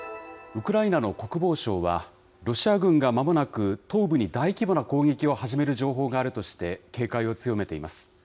ウクライナの国防省は、ロシア軍がまもなく東部に大規模な攻撃を始める情報があるとして、警戒を強めています。